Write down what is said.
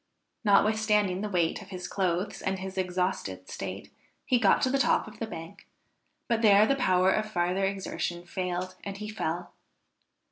Notwithstanding the weight of his clothes and his exhausted state, he got to the top of the bank, but there the power of farther exertion failed, and he fell.